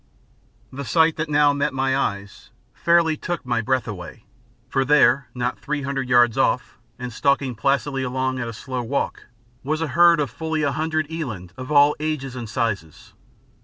The sight that now met my eyes fairly took my breath away; for there, not three hundred yards off and stalking placidly along at a slow walk, was a herd of fully a hundred eland of all ages and sizes.